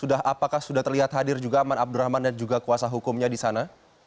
apakah sudah terlihat hadir juga aman abdurrahman dan juga kuasa hukumnya di sana